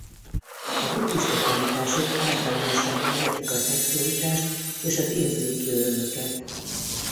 A buddhista tanítások általánosan megvetik a szexualitást és az érzéki örömöket.